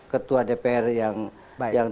ketua dpr yang